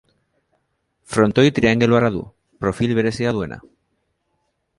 Frontoi triangeluarra du, profil berezia duena.